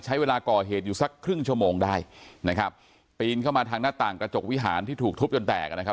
ใช้เวลาก่อเหตุอยู่สักครึ่งชั่วโมงได้นะครับปีนเข้ามาทางหน้าต่างกระจกวิหารที่ถูกทุบจนแตกนะครับ